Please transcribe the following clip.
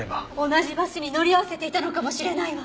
同じバスに乗り合わせていたのかもしれないわ。